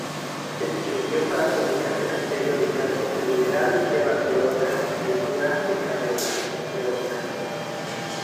Escribió para publicaciones periódicas como "El Liberal" de Barcelona y "Cultura Española", entre otras.